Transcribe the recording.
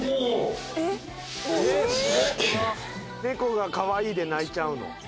「猫がかわいい」で泣いちゃうの？